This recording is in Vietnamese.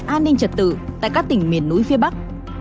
an ninh trật tự tại các tỉnh miền núi phía bắc